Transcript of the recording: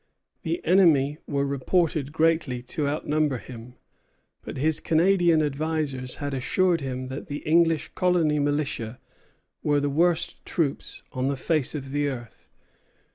The enemy were reported greatly to outnumber him; but his Canadian advisers had assured him that the English colony militia were the worst troops on the face of the earth.